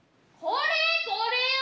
「これこれを」。